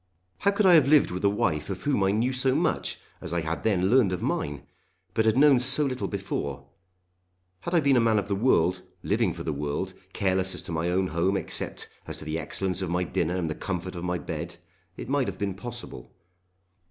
How could I have lived with a wife of whom I knew so much as I had then learned of mine, but had known so little before. Had I been a man of the world, living for the world, careless as to my own home except as to the excellence of my dinner and the comfort of my bed, it might have been possible.